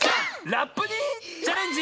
ラップにチャレンジ！